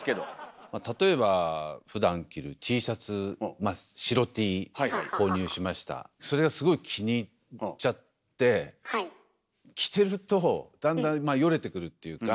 例えばふだん着るＴシャツそれがすごい気に入っちゃって着てるとだんだんよれてくるっていうか。